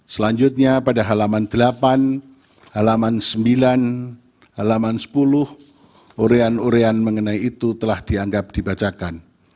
selanjutnya pada halaman delapan halaman sembilan halaman sepuluh urean urean mengenai itu telah dianggap dibacakan